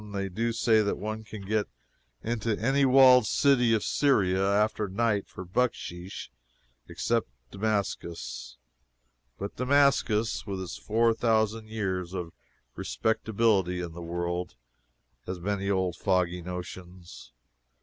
They do say that one can get into any walled city of Syria, after night, for bucksheesh, except Damascus. But Damascus, with its four thousand years of respectability in the world, has many old fogy notions.